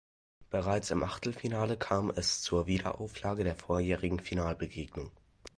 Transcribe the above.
Bereits im Achtelfinale kam es zur Wiederauflage der vorjährigen Finalbegegnung.